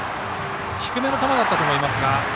低めの球だったと思いますが。